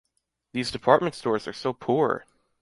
These department stores are so poor!